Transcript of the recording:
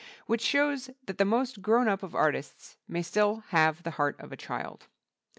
Which shows that the most grown up of artists may still have the heart of a child.